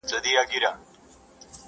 هر کور يو غم لري تل،